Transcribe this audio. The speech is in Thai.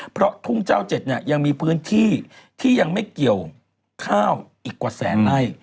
เพราะทุ่งเจ้าเจ็ดเนี่ยยังมีพื้นที่ที่ยังไม่เกี่ยวข้าวอีกกว่าแสนไล่